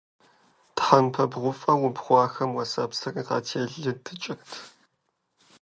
Тхьэмпэ бгъуфӀэ убгъуахэм уэсэпсыр къателыдыкӀырт.